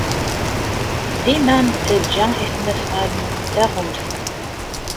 Dima nettajja isnasɣalen-nteɣ umsen.